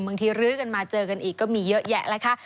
บางทีรื้อกันมาเจอกันอีกก็มีเยอะแยะแหละค่ะ